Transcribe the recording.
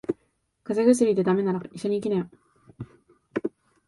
風邪薬で駄目なら医者に行きなよ。